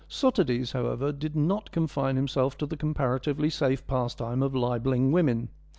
Sotades, however, did not confine himself to the comparatively safe pastime of libelling women.